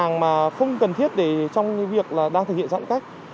hàng mà không cần thiết trong việc đang thực hiện giãn cách